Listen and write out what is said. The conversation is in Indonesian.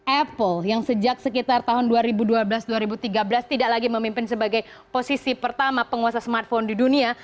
apple yang sejak sekitar tahun dua ribu dua belas dua ribu tiga belas tidak lagi memimpin sebagai posisi pertama penguasa smartphone di dunia